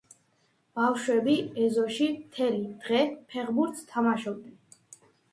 ბავშვები ეზოში მთელი დღე ფეხბურთს თამაშობდნენ.